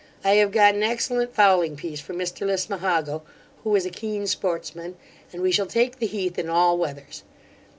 I have got an excellent fowling piece from Mr Lismahago, who is a keen sportsman, and we shall take the heath in all weathers.